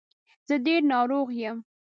زه ډېر ناروغ یم.